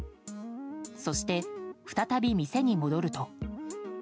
そして、再び店に戻ると。